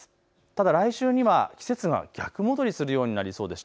来週には季節が逆戻りするようになりそうです。